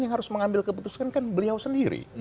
yang harus mengambil keputusan kan beliau sendiri